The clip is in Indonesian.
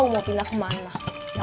mau pindah kemana